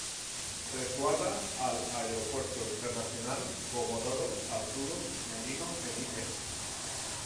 Resguarda al Aeropuerto Internacional Comodoro Arturo Merino Benítez.